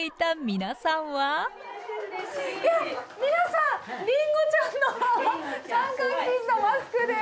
皆さんりんごちゃんの三角巾とマスクで。